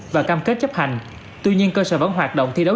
và cam kết chấp hành tuy nhiên cơ sở vẫn hoạt động thi đấu